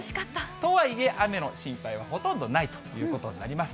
とはいえ雨の心配はほとんどないということになります。